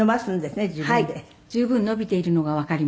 十分伸びているのがわかります。